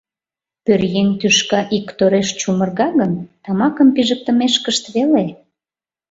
Пӧръеҥ тӱшка иктореш чумырга гын, тамакым пижыктымешкышт веле.